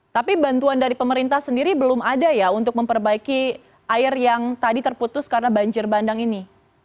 tapi bantuan dari pemerintah sendiri belum ada ya untuk memperbaiki air yang tadi terputus karena banjir bandang ini